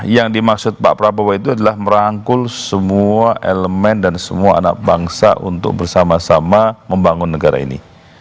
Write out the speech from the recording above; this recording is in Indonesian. yang dimaksud pak prabowo itu adalah merangkul semua elemen dan semua anak bangsa untuk bersama sama membangun negara ini